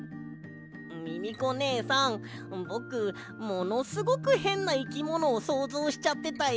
ミミコねえさんぼくものすごくへんないきものをそうぞうしちゃってたよ。